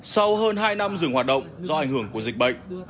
sau hơn hai năm dừng hoạt động do ảnh hưởng của dịch bệnh